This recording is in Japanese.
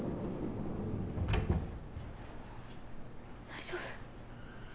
大丈夫？